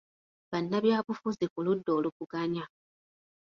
Bannabyabufuzi ku ludda oluvuganya.